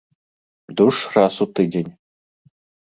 Душ раз у тыдзень.